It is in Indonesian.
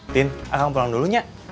tin aku pulang dulu nya